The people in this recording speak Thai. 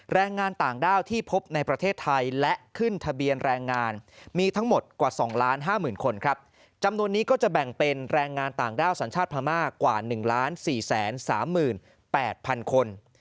แรงงานต่างด้าวที่พบในประเทศไทยและขึ้นทะเบียนแรงงานมีทั้งหมดกว่าสองล้านห้าหมื่นคนครับจำนวนนี้ก็จะแบ่งเป็นแรงงานต่างด้าวสัญชาติพม่ากว่าหนึ่งล้านสี่แสนสามหมื่นแปดพันคน